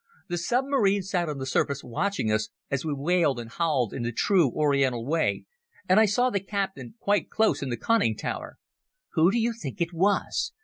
The submarine sat on the surface watching us, as we wailed and howled in the true Oriental way, and I saw the captain quite close in the conning tower. Who do you think it was?